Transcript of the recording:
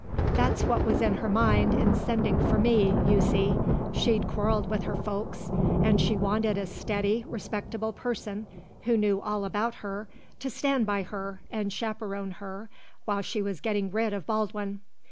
That's what was in her mind in sending for me, you see; she'd quarrelled with her folks and she wanted a steady respectable person who knew all about her to stand by her and chaperon her while she was getting rid of Baldwin.